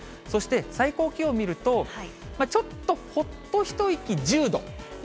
そして、最高気温見ると、ちょっとほっと一息１０度。